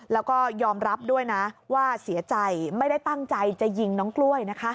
แล้วก็ยอมรับด้วยนะว่าเสียใจไม่ได้ตั้งใจจะยิงน้องกล้วยนะคะ